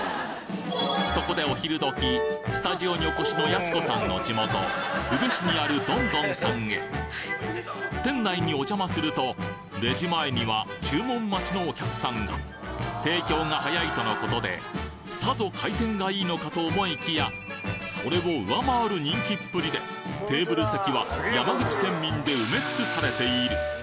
そこでお昼時スタジオにお越しのやす子さんの地元宇部市にあるどんどんさんへ店内にお邪魔するとレジ前には注文待ちのお客さんが提供が早いとのことでさぞ回転がいいのかと思いきやそれを上回る人気っぷりでテーブル席は山口県民で埋め尽くされている